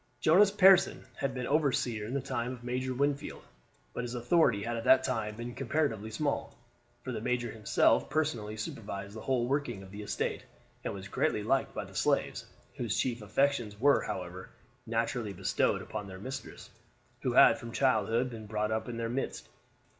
Jonas Pearson had been overseer in the time of Major Wingfield, but his authority had at that time been comparatively small, for the major himself personally supervised the whole working of the estate, and was greatly liked by the slaves, whose chief affections were, however, naturally bestowed upon their mistress, who had from childhood been brought up in their midst.